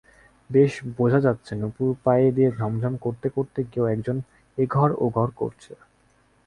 বেশ বোঝা যাচ্ছে নূপুর পায়ে দিয়ে ঝমঝম করতে-করতে কেউ-একজন এঘর-ওঘর করছে।